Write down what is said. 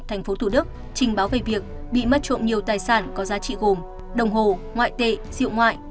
thành phố thủ đức trình báo về việc bị mất trộm nhiều tài sản có giá trị gồm đồng hồ ngoại tệ rượu ngoại